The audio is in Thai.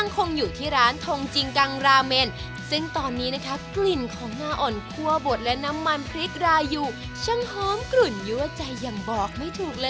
กลิ่นของหน้าอ่อนครัวบดและน้ำมันพริกรายอยู่ช่างหอมกลุ่นยั่วใจยังบอกไม่ถูกเลย